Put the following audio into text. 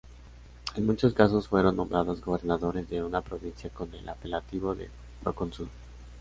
En muchos casos fueron nombrados gobernadores de una provincia con el apelativo de procónsul.